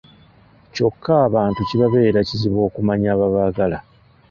Kyokka abantu kibabeerera kizibu okumanya ababaagala!